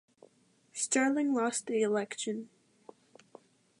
Sterling lost the election.